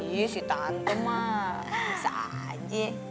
iya si tante mah bisa aja